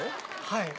はい。